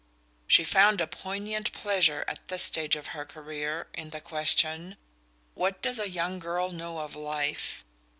She found a poignant pleasure, at this stage of her career, in the question: "What does a young girl know of life?"